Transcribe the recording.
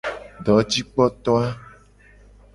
Dojikpoto a.